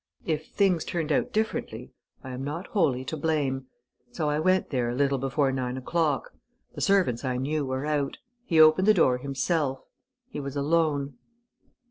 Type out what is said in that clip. If things turned out differently, I am not wholly to blame.... So I went there a little before nine o'clock. The servants, I knew, were out. He opened the door himself. He was alone."